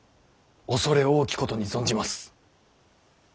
畏れ多きことに存じます。